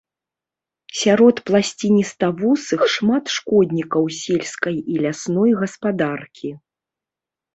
Сярод пласцініставусых шмат шкоднікаў сельскай і лясной гаспадаркі.